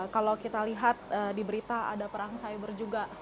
kalau kita lihat di berita ada perang cyber juga